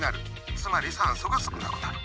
つまり酸素が少なくなる。